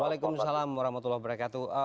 waalaikumsalam warahmatullahi wabarakatuh